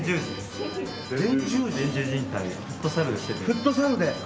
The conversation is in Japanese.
フットサルで？